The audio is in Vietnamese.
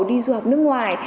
đi du học nước ngoài